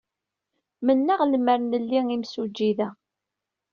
Mennaɣ lemmer nli imsujji da.